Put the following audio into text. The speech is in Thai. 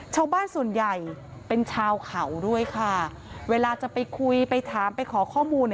ชาวบ้านส่วนใหญ่เป็นชาวเขาด้วยค่ะเวลาจะไปคุยไปถามไปขอข้อมูล